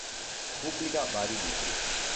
Pubblica vari libri.